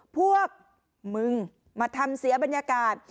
พวกมึงมาทำเสียบรรยากาศ